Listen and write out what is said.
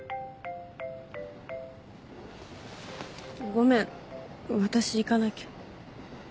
ごめん私行かなきゃ。